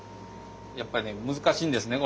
やっぱね難しいんですね